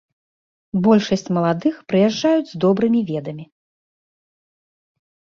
Большасць маладых прыязджаюць з добрымі ведамі.